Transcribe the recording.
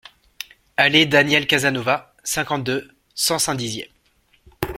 Allée Danielle Casanova, cinquante-deux, cent Saint-Dizier